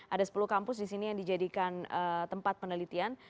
ada sepuluh kampus disini yang dijadikan tempat penelitian